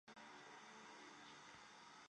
弟朱士廉也中进士。